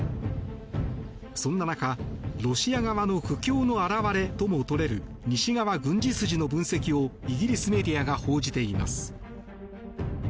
そんな中、ロシア側の苦境の表れとも取れる西側軍事筋の分析をイギリスメディアが報じています。